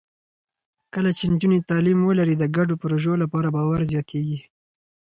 کله چې نجونې تعلیم ولري، د ګډو پروژو لپاره باور زیاتېږي.